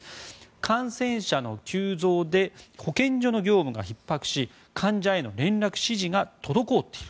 感染者の急増で保健所の業務がひっ迫し患者への連絡・指示が滞っている。